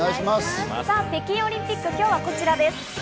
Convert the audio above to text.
北京オリンピック、今日はこちらです。